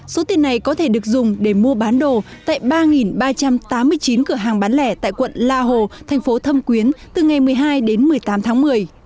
số tiền này có thể được dùng để mua bán đồ tại ba ba trăm tám mươi chín cửa hàng bán lẻ tại quận la hồ thành phố thâm quyến từ ngày một mươi hai đến một mươi tám tháng một mươi